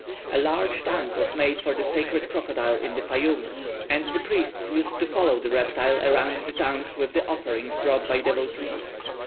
A large tank was made for the sacred crocodile in the Fayum, and the priests used to follow the reptile around the tank with the offerings brought by devotees.